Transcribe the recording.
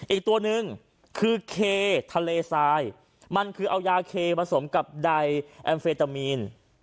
อีกตัวหนึ่งคือเคทะเลทรายมันคือเอายาเคผสมกับใดแอมเฟตามีน